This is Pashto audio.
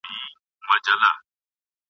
مینه د انسان در پکښي غواړم اورنۍ ..